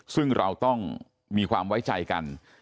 ซึ่งเราต้องมีความไว้ใจกัน